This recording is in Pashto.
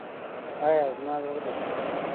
ایا زما زړه به ښه شي؟